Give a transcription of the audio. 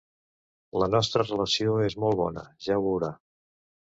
La nostra relació és molt bona, ja ho veurà.